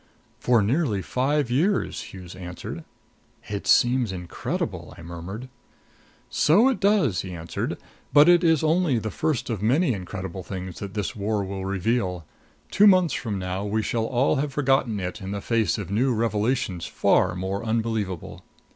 "For nearly five years," Hughes answered. "It seems incredible," I murmured. "So it does," he answered; "but it is only the first of many incredible things that this war will reveal. Two months from now we shall all have forgotten it in the face of new revelations far more unbelievable."